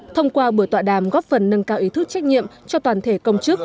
thông qua buổi tọa đàm góp phần nâng cao ý thức trách nhiệm cho toàn thể công chức